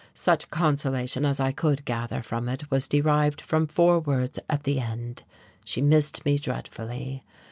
Such consolation as I could gather from it was derived from four words at the end, she missed me dreadfully.